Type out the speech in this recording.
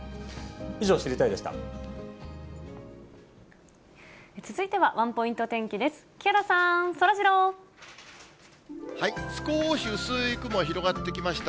以上、知りたいッ！でした。